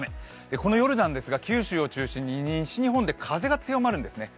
この夜ですが、九州を中心に西日本で風が強まるんですね